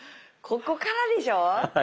ここからでしょ？